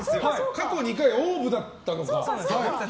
過去２回、ＯＷＶだったのか。